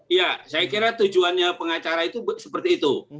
ya saya kira tujuannya pengacara itu seperti itu